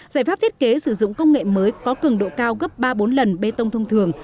giải pháp thiết kế sử dụng công nghệ mới có cường độ cao gấp ba bốn lần bê tông thông thường